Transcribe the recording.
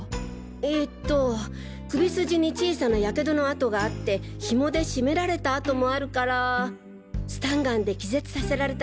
えっと首筋に小さなやけどの痕があってヒモで絞められた痕もあるからスタンガンで気絶させられた